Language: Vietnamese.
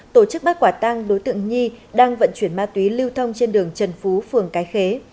tổ chức bắt quả tăng đối tượng nhi đang vận chuyển ma túy lưu thông trên đường trần phú phường cái khế